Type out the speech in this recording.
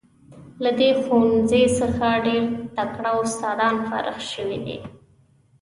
له دې ښوونځي څخه ډیر تکړه استادان فارغ شوي دي.